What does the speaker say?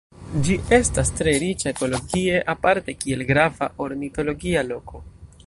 Ĝi estas tre riĉa ekologie aparte kiel grava ornitologia loko.